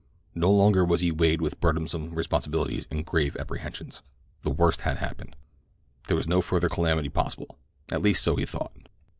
No longer was he weighted with burdensome responsibilities and grave apprehensions—the worst had happened. There was no further calamity possible—at least so he thought.